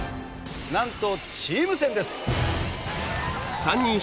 なんとチーム戦です。